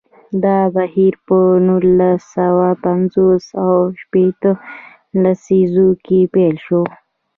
دا بهیر په نولس سوه پنځوس او شپیته لسیزو کې پیل شو.